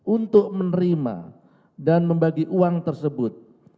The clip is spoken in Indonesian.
untuk menerima dan membagi uang tersebut